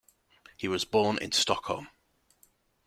He was born in Stockholm.